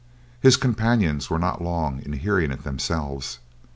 His companions were not long in hearing it themselves.